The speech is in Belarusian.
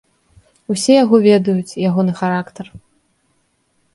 Усе яго ведаюць, ягоны характар.